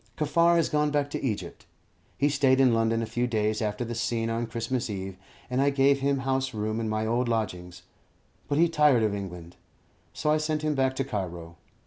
Kaffar has gone back to Egypt. He stayed in London a few days after the scene on Christmas Eve, and I gave him house room in my old lodgings; but he tired of England, so I sent him back to Cairo.